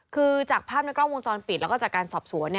คือจากภาพในกล้องวงจรปิดแล้วก็จากการสอบสวน